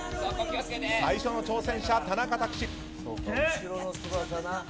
最初の挑戦者、田中卓志。